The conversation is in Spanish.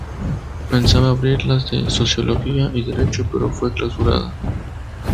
Pensaba abrir las de Sociología y Derecho, pero fue clausurada.